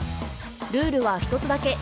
ルールは１つだけ。